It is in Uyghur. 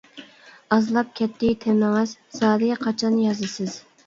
ئازلاپ كەتتى تېمىڭىز، زادى قاچان يازىسىز.